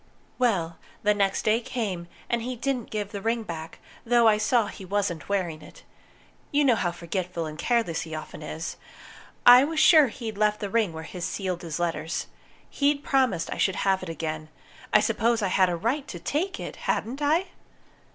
Well, the next day came, and he didn't give the ring back, though I saw he wasn't wearing it. You know how forgetful and careless he often is! I was sure he'd left the ring where he sealed his letters. He'd promised I should have it again. I suppose I had a right to take it, hadn't I?"